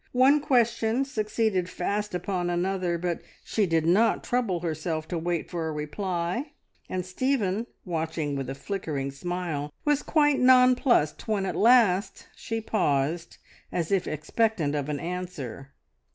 One question succeeded fast upon another, but she did not trouble herself to wait for a reply, and Stephen, watching with a flickering smile, was quite nonplussed when at last she paused, as if expectant of an answer.